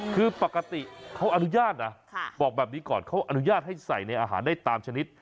คือปกติเขาอนุญาตนะบอกแบบนี้ก่อนเขาอนุญาตให้ใส่ในอาหารได้ตามชนิด